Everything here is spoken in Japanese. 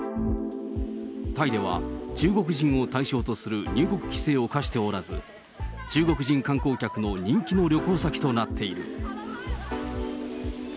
タイでは中国人を対象とする入国規制を課しておらず、中国人観光客の人気の旅行先となっている。